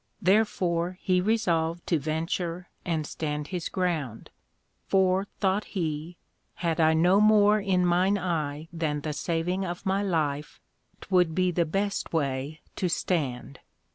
Therefore he resolved to venture and stand his ground; For, thought he, had I no more in mine eye than the saving of my life, 'twould be the best way to stand.